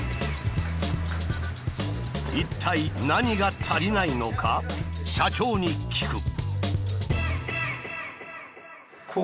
一体何が足りないのか社長に聞く。